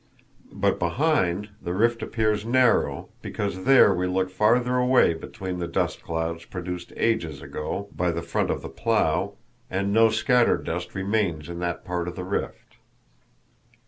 But behind, the rift appears narrow because there we look farther away between dust clouds produced ages ago by the front of the plough, and no scattered dust remains in that part of the rift.